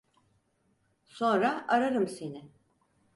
Sonra ararım seni.